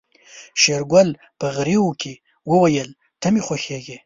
شېرګل په غريو کې وويل ته مې خوښيږې.